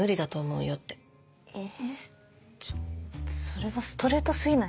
ちょっとそれはストレート過ぎない？